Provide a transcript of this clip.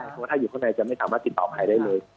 เพราะว่าถ้าอยู่ข้างในจะไม่สามารถติดต่อใครได้เลย